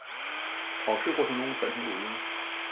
考试过程中全程录音。